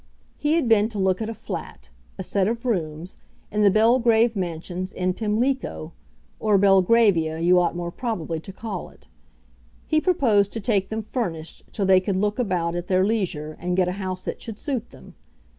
He had been to look at a flat, a set of rooms, in the Belgrave Mansions, in Pimlico, or Belgravia you ought more probably to call it. He proposed to take them furnished till they could look about at their leisure and get a house that should suit them.